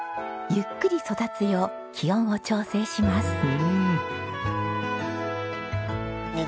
ゆっくり育つよう気温を調整します。